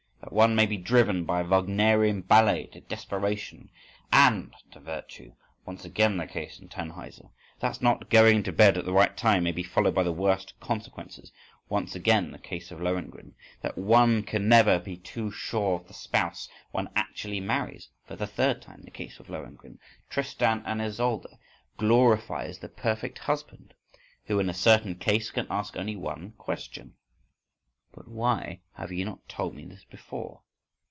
That one may be driven by a Wagnerian ballet to desperation—and to virtue! (once again the case in "Tannhauser"). That not going to bed at the right time may be followed by the worst consequences (once again the case of "Lohengrin").—That one can never be too sure of the spouse one actually marries (for the third time, the case of "Lohengrin"). "Tristan and Isolde" glorifies the perfect husband who, in a certain case, can ask only one question: "But why have ye not told me this before?